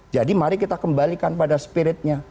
jadi mari kita kembalikan pada spiritnya